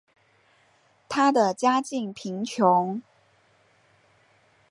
她的家境贫穷。